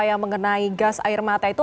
yang mengenai gas air mata itu